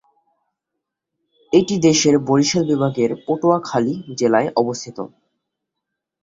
এটি দেশের বরিশাল বিভাগের পটুয়াখালী জেলায়অবস্থিত।